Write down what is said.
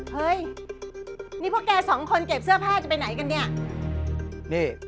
เฮ้ยนี่พวกแกสองคนเก็บเสื้อผ้าจะไปไหนกันเนี่ย